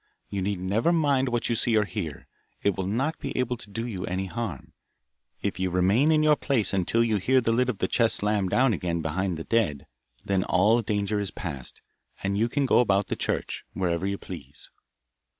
You need never mind what you see or hear, it will not be able to do you any harm, if you remain in your place until you hear the lid of the chest slam down again behind the dead; then all danger is past, and you can go about the church, wherever you please.